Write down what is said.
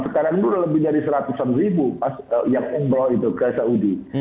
sekarang dulu lebih dari seratusan ribu yang umroh itu ke saudi